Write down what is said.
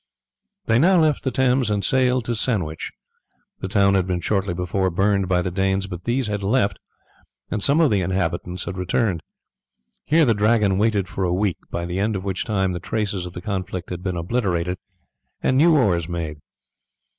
They now left the Thames and sailed to Sandwich. The town had been shortly before burned by the Danes, but these had left, and some of the inhabitants had returned. Here the Dragon waited for a week, by the end of which time the traces of the conflict had been obliterated, and new oars made.